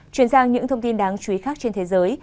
chuyển sang những thông tin đáng chú ý khác trên thế giới